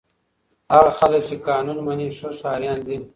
هغه خلک چې قانون مني ښه ښاریان دي.